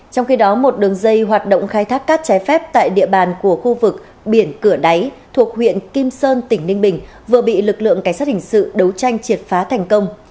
trong khi đó một đường dây hoạt động khai thác cát trái phép tại địa bàn của khu vực biển cửa đáy thuộc huyện kim sơn tỉnh ninh bình vừa bị lực lượng cảnh sát hình sự đấu tranh triệt phá thành công